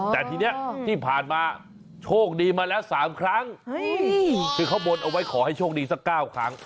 แต่ทีนี้ที่ผ่านมาโชคดีมาแล้ว๓ครั้งคือเขาบนเอาไว้ขอให้โชคดีสัก๙ครั้ง